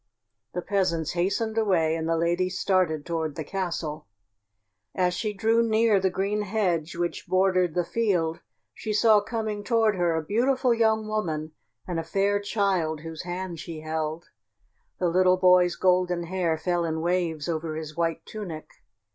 The peasants hastened away and the lady started toward the castle. As she drew near the green hedge which bordered the field she saw coming toward her a beautiful young woman and a fair child whose hand she held. The little boy's golden hair fell in waves over his white tunic.